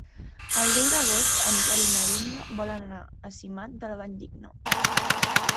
El deu d'agost en Quel i na Dúnia volen anar a Simat de la Valldigna.